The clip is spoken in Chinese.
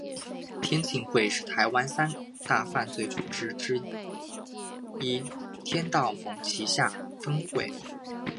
天庆会是台湾三大犯罪组织之一天道盟旗下分会。